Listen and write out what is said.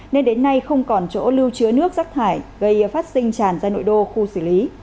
nên đến nay không còn chỗ lưu chứa nước rác thải gây phát sinh tràn ra nội đô khu xử lý